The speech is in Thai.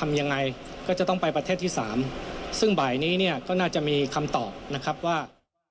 ทำยังไงก็จะต้องไปประเทศที่สามซึ่งบ่ายนี้เนี่ยก็น่าจะมีคำตอบนะครับว่า